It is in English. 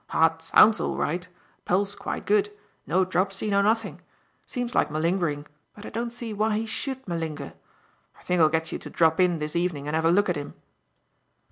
Heart sounds all right, pulse quite good, no dropsy, no nothing. Seems like malingering, but I don't see why he should malinger. I think I'll get you to drop in this evening and have a look at him."